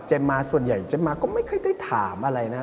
มาส่วนใหญ่เจมมาก็ไม่ค่อยได้ถามอะไรนะ